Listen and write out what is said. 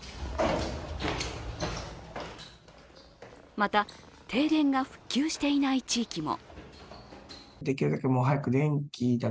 また、停電が復旧していない地域も。